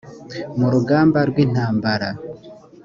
mu rugamba rw intambara